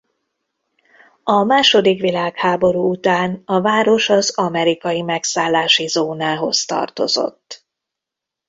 A második világháború után a város az amerikai megszállási zónához tartozott.